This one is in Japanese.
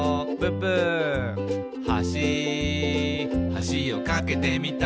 「はしはしを架けてみた」